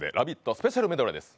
スペシャルメドレーです。